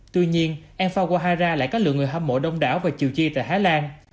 tuy nhiên anpha quahara lại có lượng người hâm mộ đông đảo và chiều chi tại hà lan